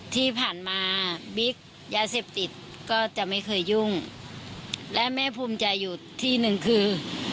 ที่ผ่านมาบิ๊กยาเสพติดก็จะไม่เคยยุ่งและแม่ภูมิใจอยู่ที่หนึ่งคือ